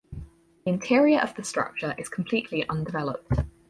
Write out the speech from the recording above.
The interior of the structure is completely undeveloped.